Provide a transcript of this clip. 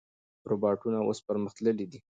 روباټونه اوس پرمختللي دي.